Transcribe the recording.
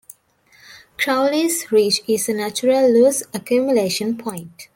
Crowley's Ridge is a natural loess accumulation point.